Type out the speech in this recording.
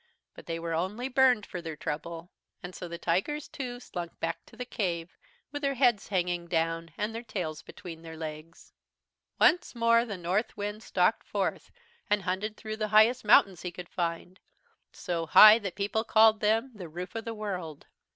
But they were only burned for their trouble. And so the tigers too slunk back to the cave, with their heads hanging down and their tails between their legs. "Once more the Northwind stalked forth and hunted through the highest mountains he could find, so high that people called them 'the Roof of the World.'